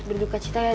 berduka cita ya dad